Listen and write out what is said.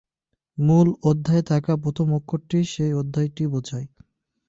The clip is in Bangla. মূল অধ্যায়ে থাকা প্রথম অক্ষরটি সেই অধ্যায়টি বোঝায়।